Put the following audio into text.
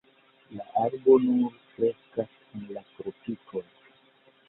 La arbo nur kreskas en la tropikoj.